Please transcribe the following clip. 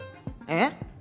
えっ？